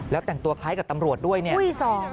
แล้วแต่งตัวคล้ายกับตำรวจด้วยเนี่ย